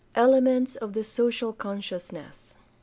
Elements of the social consciousness.